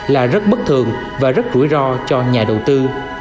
là rất bất thường và rất rủi ro cho nhà đầu tư